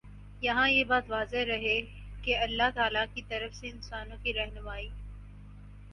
یہاں یہ بات واضح رہے کہ اللہ تعالیٰ کی طرف سے انسانوں کی رہنمائی